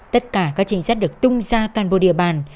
tất cả các chính sách được tung ra toàn bộ địa bàn